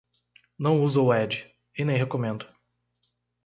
Não uso o Edge, e nem recomendo.